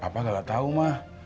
papa gak tau mah